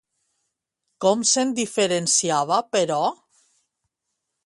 Com se'n diferenciava, però?